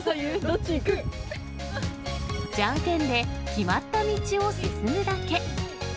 じゃんけんで、決まった道を進むだけ。